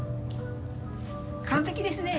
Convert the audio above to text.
完璧ですね。